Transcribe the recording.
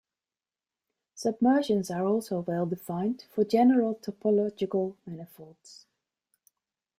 Submersions are also well defined for general topological manifolds.